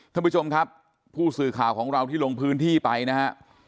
ท่านผู้ชมครับผู้สื่อข่าวของเราที่ลงพื้นที่ไปนะฮะ